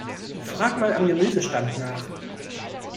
Frag mal am Gemüsestand nach.